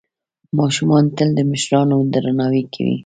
ماشومان تل د مشرانو درناوی کوي.